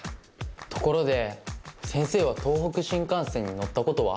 ところで先生は東北新幹線に乗ったことは？